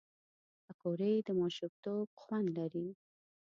پکورې د ماشومتوب خوند لري